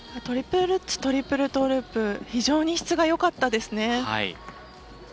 トリプルルッツトリプルトーループ非常に質がよかったですね。